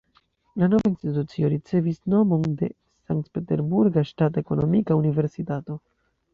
La nova institucio ricevis nomon de Sankt-Peterburga Ŝtata Ekonomika Universitato.